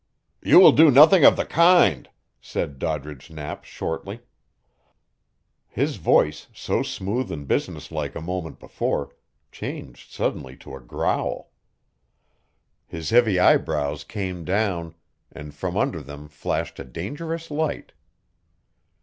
"You will do nothing of the kind," said Doddridge Knapp shortly. His voice, so smooth and businesslike a moment before, changed suddenly to a growl. His heavy eyebrows came down, and from under them flashed a dangerous light.